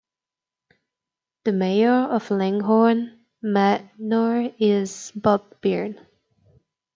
The mayor of Langhorne Manor is Bob Byrne.